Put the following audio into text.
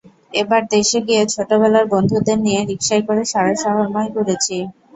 এবার দেশে গিয়ে ছোটবেলার বন্ধুদের নিয়ে রিকশায় করে সারা শহরময় ঘুরেছি।